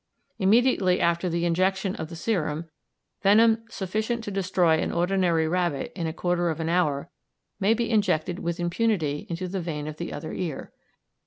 Immediately after the injection of the serum, venom sufficient to destroy an ordinary rabbit in a quarter of an hour may be injected with impunity into the vein of the other ear.